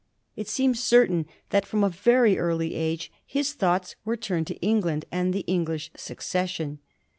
It seems certain that from a very early age his thoughts were turned to England and the English succession.